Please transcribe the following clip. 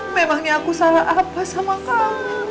memangnya aku salah apa sama kamu